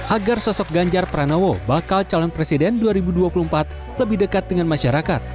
agar sosok ganjar pranowo bakal calon presiden dua ribu dua puluh empat lebih dekat dengan masyarakat